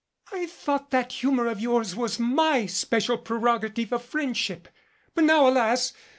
I thought that humor of yours was my special prerogative of friendship. But now alas